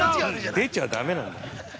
◆出ちゃだめなんだよ。